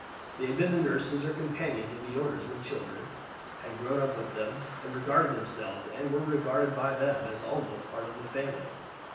They had been the nurses or companions of the owners when children, had grown up with them, and regarded themselves, and were regarded by them, as almost part of the family.